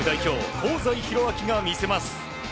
香西宏昭が見せます。